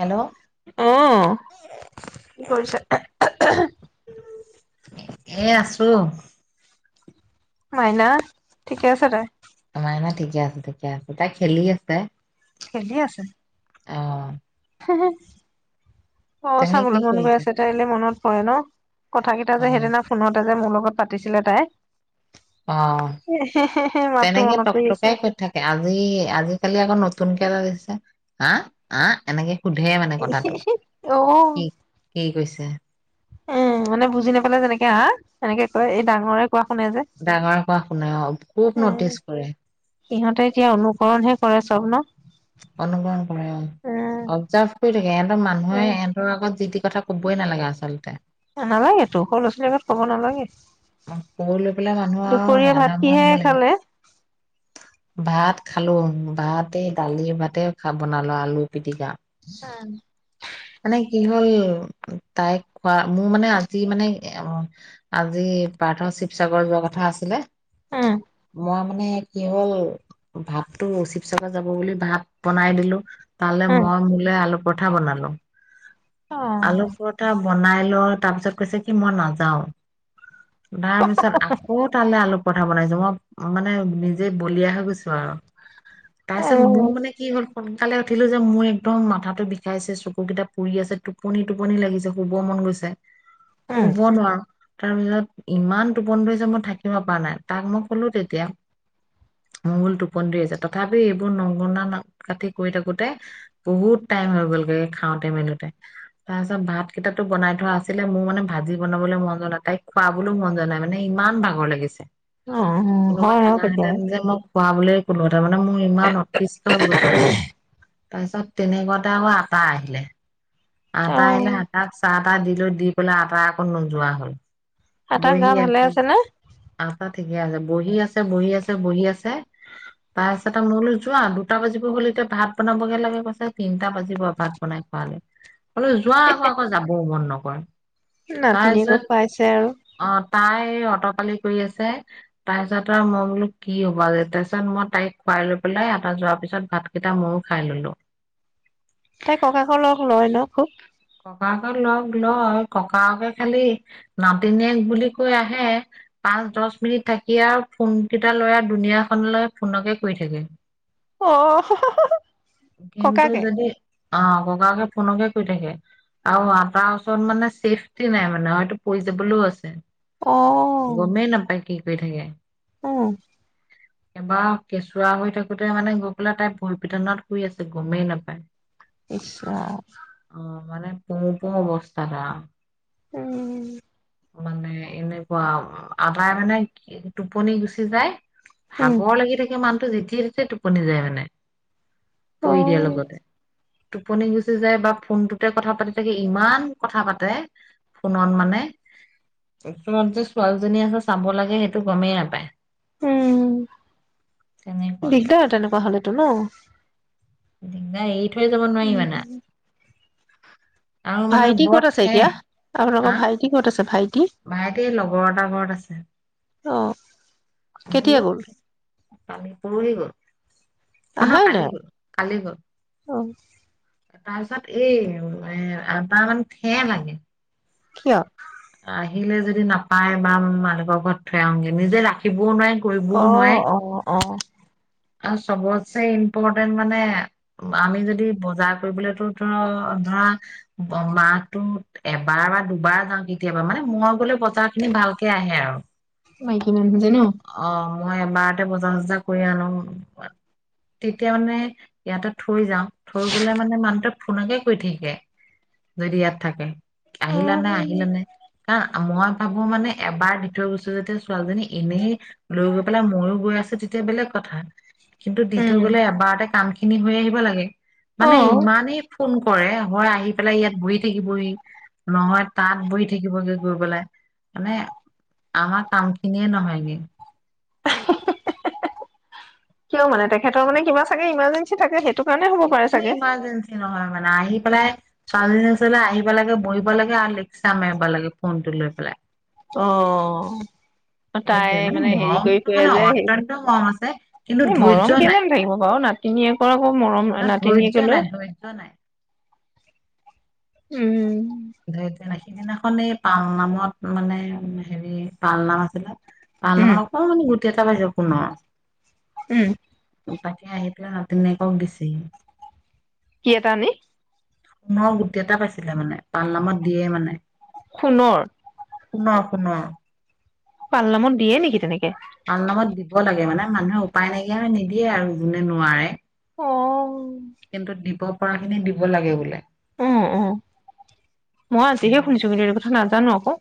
Hello অ', কি কৰিছ এ, আছো। মাইনা। ঠিকে আছে তয় ঠিকেআছে-ঠিকেআছে তাই খেলি আছে। খেলি আছে। অ হু হু হু অ', তুমি কি চাবলৈ মন গৈ কৰিছা আছে তাইলে মনত হয়, ন। কথা কেইটা অ যে সেইদিনা ফোনতে যে মোৰ লগ লগত পাতিছিলে তাই। অ', মাতটো তেনেকে মনত পৰি আছে টক-টকাই ক'ত থাকে আজি-আজিকালি আকৌ নতুনকে হা-আ, এনেকে সুধে মানে কথাটো, অ'। কি-কি কৈছে। উম, মানে বুজি নাপালে যেনেকে আ, সেনেকে কয় এই ডাঙৰ কোৱা শুনে যে। ডাঙৰ পৰা শুনে অ খুব উম, নটিচ কৰে সিহঁতে এতিয়া অনুকৰণ হে কৰে চব ন। অনুকৰণ কৰে অ। উম, অবজাৰ্ভ কৰি থাকে ইহঁতৰ মানুহে উম, এহঁতৰ আগত যি তি কথা কবই নালাগে আচলতে। নালাগেতো সৰু লৰা ছোৱালীৰ আগত ক'ব নালাগে। পুৰ লৈ পেলাই মানুহ আও দুপৰীয়া ভাত আধা মৰা কিহে হব লাগিব। খালে? ভাত খালো, ভাত এ দালিয়ে ভাতে খা বনালো আলু পিটিকা। [inaudible] মানে কি হ'ল তাই খোৱা মোৰ মানে আজি মানে অ ', আজি পাৰ্থ শিৱসাগৰ যোৱা কথা আছিলে। উম, ম', মানে কি হ'ল ভাততটো শিৱসাগৰ যাব বুলি ভাত বনাই দিলো। তালে উম, মই বোলে আলপ। পিঠা বনালো। আলু পৰঠা বনাই লওঁ তাৰ পিছত কৈছে কি মই নাযাও। তাৰ পিছত আকৌ তালৈ আলপ কথা বনাইছো মই মানে নিজেই বলিয় হৈ গৈছো আৰু। তাৰ পিছত অ', মোৰ মানে কি হ'ল ফন কালে উঠিলো যে মোৰ একদম মাথাটো বিষাইছে, চকুকেইটা পুৰি আছে তু টোপনি - টোপনি লাগিছে শুব মন গৈছে। উম। শুব নোৱাৰো। তাৰ পিছত ইমান টোপন ধৰিচে মই থাকিব পৰা নাই তাক মই কলো তেতিয়া মো বোলো টোপন ধৰি য তথাপি এইবোৰ নগুনা কাঠি কৰি থাকোতে বহুত টাইম হৈ গলগে খাওঁতে মেলোতে। তাৰ পিছত ভাত কেইটা বনাই থোৱা আছিলে। মোৰ মানে ভাজি বনাবলৈ মন যোৱা নাই, তাইক খুৱাবলৈও মন যোৱা নাই, মানে ইমান ভাগৰ লাগিছে। অ', অ', কোনোবা হয় আৰু কেতিয়াবা। থাকাহেঁতেন যে মোক পোৱা বুলি কোনো। তাৰ মানে মোৰ ইমান অতিষ্ঠ হৈ হৈছোঁ। তাৰপিছত তেনেকুৱাতে আমাৰ আতা আহিলে। আটা আহিল অ', হাতাত চাত। আটা দিলো দি পেলাই আটা আকৌ নোযোৱা হল। আটা গা ভালে আছে নে? আপা ঠিকে আছে বহি আছে - বহি আছে - বহি আছে তাৰপিছত মোলৈ যোৱা দুটা বাজিব হ'লে এতিয়া ভাত বনাবগে লাগে কৈছে তিনটা বাজিব আৰু ভাত বনাই খোৱালৈ। বোলো যোৱা আকৌ - আকৌ যাব মন ন', ৱাই নাতিনীয়েক পাইছে আৰু। ত পালি কৰি আছে তাৰ পিছত আৰু মই বোলো কি হবা যে তাৰপিছত মই তাইক খোৱাই লৈ পেলাই আতা যোৱাৰ পিছত ভাত কেইটা মইো খাই ললো। তাই ককাাত লগ লয় ন খুব। ককাকে লগ লয় ককাকে খালি নাতিনিয়েক বুলি কৈ আহে পাঁচ দহ মিনিট থাকি আৰু ফোন কেইটা লৈ দুনীয়াখনলৈ ফোনকে কৰি থাকে। অ হ হ হ কিন্তু ককাকে। যদি অ', ককাকে ফোনকে কৰি থাকে। আৰু আতা ওচৰত মানে চেফটি নাই মানে হয়তো পৰি যাবলৈও আছে। অহ ', গমেই নাপায় কি কৰি থাকে? উম', এবাৰ কেঁচুৱা হৈ থাকোতে মানে গৈ পেলাই তাই ভৰি পিঠনত শুই আছে গমেই নাপায়। ইচ ৰাম অ' মানে পুওঁ পুং অৱস্থাত আৰু উম মানে এনেকুৱা আদায় মানে টোপনি গুচি যায় উম, ভাগৰ লাগি থাকে মানু যেতিয়া-তেতিয়াই টোপনি যায় মানে পৰি দিয়াৰ অ', লগতে টোপনি গুচি যায় বা ফোনটো কথা পাতি থাকে ইমান কথা পাতে ফোনত মানে তোমাৰ যে ছোৱালীজনী আছে চাব লাগে সেইটো গমেই নাপায় উম তেনেকুৱা দিগদাৰ তেনেকুৱা হ'লে [unintelligible] ন দিগদাৰ এ এৰি থৈ যাব নোৱাৰি মানে উম, আৰু মানে ভাইটি বৰ ক'ত আছে এতিয়া ঠেহ আপোনালোকৰ ভাইটি ক'ত আছে ভাই ভাইটি লগৰ এটাৰ ঘৰত আছে অ' কেতিয়া গ'ল? বহুত পৰহি গ'ল অ নহয় আহাই কালি নাই গ'ল অহ' তাৰ পিছত এই এ মানে ঠেহ লাগে কিয়? আহিলে যদি নাপায় বা কৰ ঘৰত থৈ আহোগে নিজে ৰাখিবও নোৱাৰি কৰিবও নোৱাৰি। অ', অ', অহ আৰু চবতছে ইম্পৰ্টেণ্ট মানে আমি যদি বজাৰ কৰিবলেতো ধৰ ধৰা মাহটো এবাৰ বা দুবাৰ যাওঁ কি কেতিয়াবা মানে মই গ'লে বজাৰখিনি ভালকে আহে আৰু মাইকী মানুহ যে ন? অ। মই এবাৰতে বজা-চজা কৰি আনো, তেতিয়া মানে ইয়াতে থৈ যাওঁ, থৈ গ'লে মানে মানুহটো ফোনকে কৈ থাকে, যদি ইয়াত থাকে। অ', আহিলানে-আহিলানে কা মই ভাবো মানে এবাৰ দি থৈ গৈছে যদি ছোৱালীজনী এনেই, লৈ গৈ পেলাই মইোয়ো গৈ আছ তেতিয়া বেলেগ কথা। কিন্তু দি থৈ উম, গ'লে এবাৰতে কাম খি খিনি হৈ আহিব লাগে। মানে অ'। ইমানেই ফোন কৰে, হয় আহি পেলাই ইয়াত বহি থাকিবহি, নহয় তাত বহি থাকিবগে গৈ পেলাই, মানে আমাৰ কাম খিনিয়ে ন হয়গে। [unintelligible] কিয় মানে, তেখেতৰ মানে কিবা চাগে ইমাৰ্জেঞ্চি থাকে সেই একো ইমাৰ্জেঞ্চি নহয় মান আহি পেলাই, ছোৱালীজনীৰ ওচৰলে আহিব লাগে, বহিব লাগে, আৰু লেকচাৰ মাৰিব লাগে ফোন টো লৈ পেলাই। অ'। তাই সেইটোৱে মানে হেৰি কৰি মৰমটো ফুৰে মানে যে সেই, অত্যন্ত মৰম আছে কিন্তু এই ধৈৰ্য্য মৰম নাই কেলে নাথাকিব বাৰু নাত তিনি একৰ আক বহুত মৰম ন ধৈৰ্য্য নাতিনীয়েকলৈ? নাই ধৈৰ্য্য নাই উম। সিদিনাখন এই পাল নামত মানে হেৰি, পাল নাম আছিলে। তাল উম মানে অকমানি গোট [inaudible] টি এটা পাইছে সোণৰ। উম। তাকে আহি পেলাই নাতিনীয়েকক দিছেহি। কি এটা আনি? সোণৰ গুটি এটা পাইছিলে মানে, পাল নামত দিয়ে মানে। সোণৰ? সোণৰ সোণৰ। পালনামত দিয়ে নেকি তেনেকে? পালনামত দিব লাগে মানে, মানুহে উপায় নাইকিয়া হৈ নিদি দিয়ে আৰু যোনে নোৱাৰে। অ কিন্তু দিব পৰা খিনি দিব লাগে বোলে। অ' অ', মই আজিহে শুনিছো কিন্তু, এইটো কথা নাজ জানো আকৌ।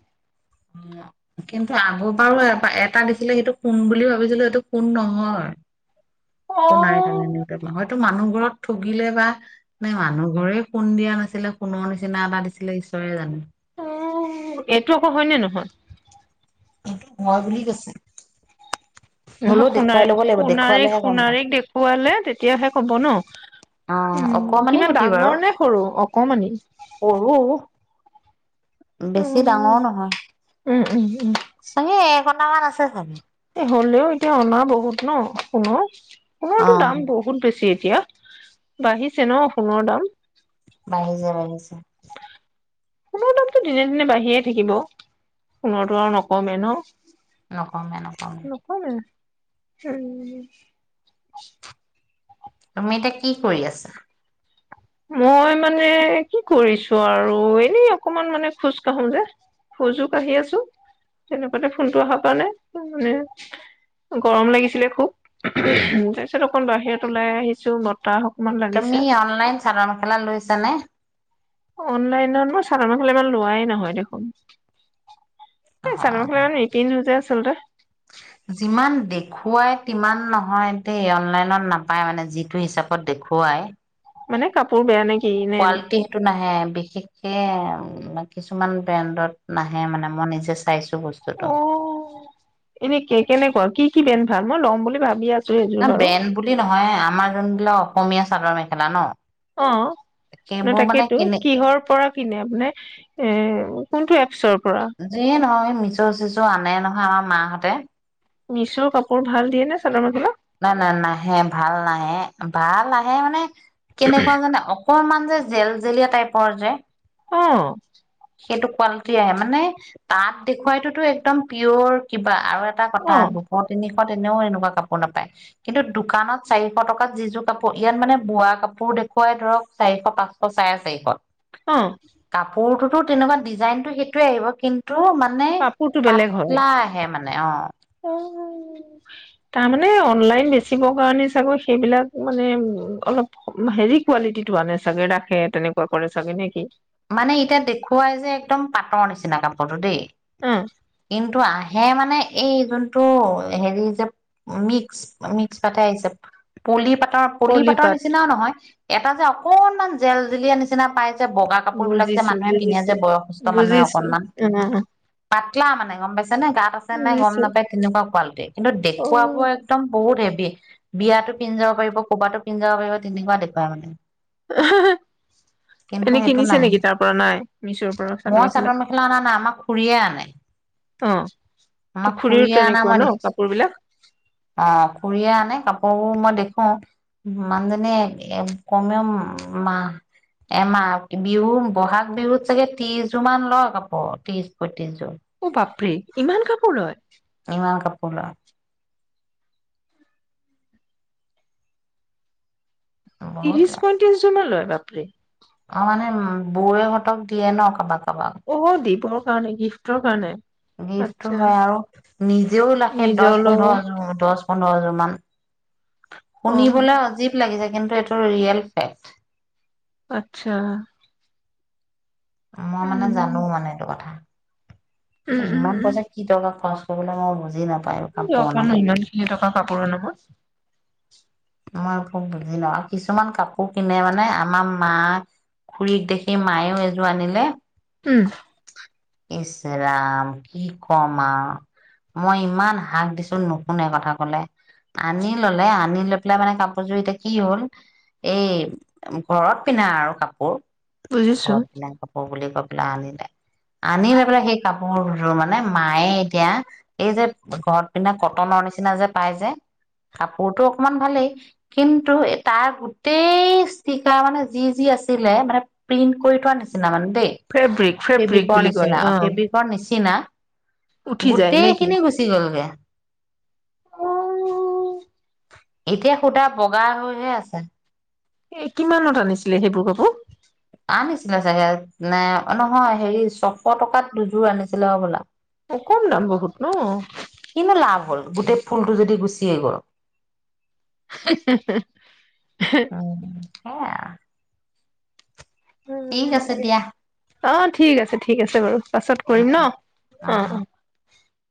অ', কিন্তু আগৰবাৰো এবা-এটা দিছিলে সেইটো সোণ বুলি ভাবিছিলো, সেইটো সোণ নহয়। অ সোণাৰি তালে নিওতে হয়টো মানুহ ধৰক ঠগিলে বা, নে মানুহঘৰেই সোণ দিয়া নাছিলে, সোণৰ নিচিনা এটা দিছিলে, ঈশ্বৰে জানে। অ', এইটো আকৌ হয়নে নহয়? এইটো হয় বুলি কৈছে। নহয় হ'লেও দেখুৱাই ল'ব লাগিব দেখুৱালেহে গম পাম সোণাৰ-সোণাৰীক-সোণাৰীক দেখুৱালে তেতিয়াহে হ'ব ন? অ উম, অকমানি কিমান গুটি বাৰু ডাঙৰ নে সৰু, অকমানি? সৰু উম বেছি ডাঙৰো নহয়।। উম উম চাগে নান আছে চাগে [unintelligible] এ হ'লেও এতিয়া অনা বহুত ন শুনো অ কোনোটো দাম বহুত বেছি এতিয়া বাঢ়িছে ন সোণৰ দাম? বাই এযোৰ আনিছে সোণনৰ দামতো দিনে দিনে বাঢ়িয়ে থাকিব সোণৰটো আৰু নকমে ন নকমে নকমে উম তুমি এতিয়া কি কৰি আছা? মই মানে কি কৰিছো আৰু এনেই অকমান মানে খোজ কাঢ়ো যে খোজো কাঢ়ি আছো তেনেকুৱাতে ফোনটো অহাৰ পৰা নাই মানে গৰম লাগিছিলে খুব তাৰপিছত অকন বাহিৰত ওলাই আহিছো ম তাহ অকমান লাগিছে তুমি অনলাইন চাদৰ মেখেলা লৈছা নে? অনলাইনত মই চাদৰ মেখেলা ইমান লোৱাই নহয় দেখোন এই চাদৰ অ খনে নিপিন্ধু যে তলতে ইমান নহয়তি অনলাইনত নাপায় মানে যিটো হিচাপত দেখুৱাই মানে কাপোৰ বেয়া নাই কোৱালিটি সেইটো নাহে বিশেষ সেইয়াই কিছুমান ব্ৰেণ্ডত নাহে মানে মই নিজে চাইছো বস্তুটো অ এনে কে কেনেকুৱা কি কি বেন ভাল মই ল'ম বুলি ভাবি আছো সেইযোৰ বাৰু ব্ৰেণ্ বুলি নহয় আমাৰ জন ল অসমীয়া চাদৰ মেখেলা ন অ ন সেইবোৰ মানে তাকেইেতো কেনে কিহৰ পৰা কিনে মানে এ কোনটো এপছৰ পৰা মিচ চিচ আনে নহয় আমাৰ মাহঁতে মিছৰ কাপোৰ ভাল দিয়ে নে চাদৰ মেখেলা? নাই নাই নাহে ভাল নাহে ভাল আহে মানে কেনেকুৱা জানে অকণমান যে জেল জেলীয়া টাইপৰ যে অ সেইটো কোৱালিটি আহে মানে তাত দেখুৱাইটোতো একদম পিয়ৰ কিবা আৰু এটা কথা অ দুশ তিনিশ কত এনেও এনেকুৱা কাপোৰ নাপায় কিন্তু দোকানত চাৰিশ টকাত যি যোৰ কাপোৰ ইয়াত মানে বোৱা কাপোৰ দেখুৱাই ধৰক চাৰিশ পাঁচশ চাই চাৰিশত অ কাপোৰটো তেনেকুৱা ডিজাইনতটো সেইটোয়ে আহিব কিন্তু তো মানে, কাপোৰটো বেলেগ হয় পাতলা আহে মানে। অ', অ'। তাৰমানে অনলাইন বেচিবৰ কাৰণে চাগে সেইবিলাক মানে উ', অলপ হেৰি কোৱালিটিটো আনে চাগে, ৰাখে তেনেকুৱা কৰে চাগে নেকি? মানে এতিয়া দেখুৱায় যে একদম পাটৰ নিচিনা কাপোৰতো দেই। অ কিন্তু আহে মানে এই জোনটো হেৰি যে মিক্স-মিক্স পাটে আহিছে। পুলি পাট অ ', পলি পাটৰ পলিপাত নিচিনাও নহয়। এটা যে অকনমান জেল-জিলিয়ীয়া নিচিনা পায় যে। বগা কাপোৰবোৰ যে বুজিছো মানুহে কিনে বুজিছো যে বয়সস্থ মানুহে বুজিছো অকনমান। অ পাত মানে গম পাইছে গাত আছে নে গম বুজিছো নাপাই তেনেকুৱা কোৱাল্টি, কিন্তু অ দেখুুৱা বোৰে একদম বহুত হে বিয়াতো পিন্ধি যাব পাৰিব ক'ৰবাত পিন্ধজাব পাৰিব তেনেকুৱা দেখুৱা মানে। কিন্তু এনে সেইটো কিনিছ নাহে নেকি তাৰ পৰা নাই, মিছৰ পৰা চাদৰ মেখেলা। আমাৰ খুৰীয়ে বুজিছা নাই অঁ আমাৰ খুৰীয়ে অনা মই দেখিছো, বিলাক অ' খুৰীয়ে আনে কাপোৰ অ দেখো, মানজনীয়ে কমেওঁ মাহ এমাহ, বিহু বহাগ বিহুত চাগে ত্ৰিশ জো মান লয় কাপো ত্ৰিশ প অ', বাপৰে। ইমান, কাপোৰ লয়। ইমান কাপো [unintelligible] বহুত ত্ৰিশ লয়। পঁয়ত্ৰিশ যো মান লয় বাপৰে। অ', মানে বৌৱেহঁতক দিয়ে ন কাবাক অ' [unintelligible] [unintelligible] গিফ্টৰ কাৰণে। গিফ্টটো আচ্ছা হয়, আৰু নিজেও ৰাখে দশ নিজৰলৈও পোন্ধৰ যোৰ দশ পোন্ধৰযোৰ মান শুনিবলৈ অ অজীৱ লাগিছে কিন্তু এইটো ৰিয়েল ফেক্ট। অ ', আত্ছা। মই মানে জানো মানে এইটো কথা। উম, উম, ইমান পইচা কি দৰকাৰত খৰচ বোলে মই বুজি নাপাওঁ দৰকাৰ নাই ইমান খিনি টকা কাপোৰৰ নামত। [inaudible] মই একো ক'ব নোৱাৰা। কিছুমান কাপোৰ কিনে মানে আমাৰ মা খুৰীক দেখি মায়েও এযোৰ আনিলে।। উম। ইচ্ ৰাম কি কম আও মই ইমান হাস দিছো। নুশুনে কথা কলে, আনি ললে আনি লৈ মানে কাপোৰযোৰ এতিয়া কি হ'ল। এই ঘৰত পিন্ধা আৰু কাপোৰ। বুজিছো ঘৰত পিন্ধা কাপোৰ বুলি।। গৈ পেলায় আনিলে। আনি লৈ পেলাই সেই কাপোৰ দুযোৰৰ মানে মায়ে এতিয়া। এই যে ঘৰত পিন্ধা কটনৰ নিচিনা যে পাই যে কাপোৰটো অকণমান।। ভালেই, কিন্তু তাৰ গোটেই ইষ্টিকাৰ মানে যি যি আছিলে মানে প্ৰিন্ট কৰি থোৱা নিচিনা মানে।। ফে ফেব্ৰিক ফেব্ৰিক ফেব্ৰিকৰ বুলি কয় নিচিনা অ', ফেব্ৰিকৰ নিচিনা।। উঠি নিচিনা। যায় গোটেই খিনি গুচি গ'লগে। উ উ। [unintelligible] [inaudible] এতিয়া সূতা বগা হৈ হে আছে।। এ কিমানত আনিছিলে সেইবোৰ কাপোৰ? হয় চাগে নে অ নহয় হেৰি ছশ টকাত দুযোৰ আনিছিলে হ'বলা।। অ কম দাম বহুত ন কিনো লাভ হ'ল গোটেই ফুলটো যদি গুচিয়েই গ'ল? হে হে হে হে। অ এই আ। ঠিক উম, আছে দিয়া। অ, ঠিক আছে ঠিক আছে বাৰু। পাছত উম কৰিম উম ন অ অ।